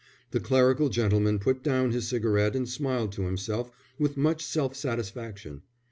The clerical gentleman put down his cigarette and smiled to himself with much self satisfaction.